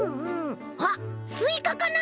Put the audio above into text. わっスイカかな？